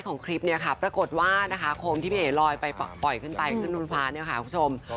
คลิปเนี่ยค่ะปรากฏว่านะคะโคมที่พี่เอ๋ลอยไปปล่อยขึ้นไปขึ้นบนฟ้าเนี่ยค่ะคุณผู้ชม